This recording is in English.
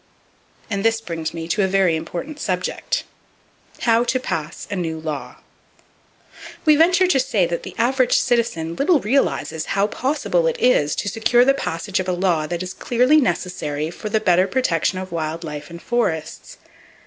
And this brings me to a very important subject: How To Pass A New Law We venture to say that the average citizen little realizes how possible it is to secure the passage of a law that is clearly necessary for the better protection of wild life and forests.